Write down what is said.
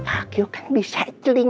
aku kan bisa celing